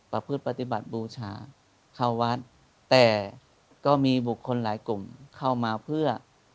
ประพฤติปฏิบัติบูชาเข้าวัดแต่ก็มีบุคคลหลายกลุ่มเข้ามาเพื่อ